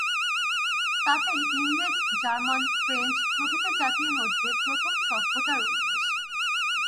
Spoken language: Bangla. তাতেই ইংরেজ, জার্মান, ফ্রেঞ্চ প্রভৃতি জাতির মধ্যে প্রথম সভ্যতার উন্মেষ।